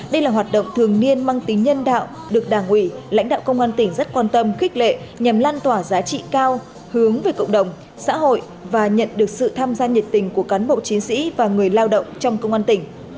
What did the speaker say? đây là hoạt động thường niên mang tính nhân đạo được đảng ủy lãnh đạo công an tỉnh rất quan tâm khích lệ nhằm lan tỏa giá trị cao hướng về cộng đồng xã hội và nhận được sự tham gia nhiệt tình của cán bộ chiến sĩ và người lao động trong công an tỉnh